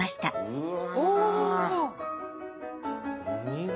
うわ。